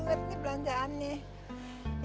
banyak banget nih belanjaan nih